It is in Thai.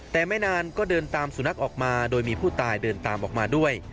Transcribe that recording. แต่ไม่นานก็เดินตามสุนัขออกมาโดยมีผู้ตายเดินตามออกมาด้วย